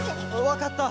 わかった。